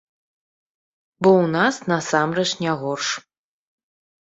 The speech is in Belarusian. Бо ў нас насамрэч не горш.